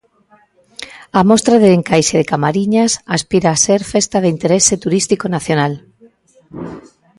A mostra de encaixe de Camariñas aspira a ser Festa de Interese Turístico Nacional.